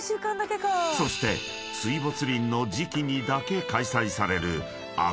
［そして水没林の時期にだけ開催される］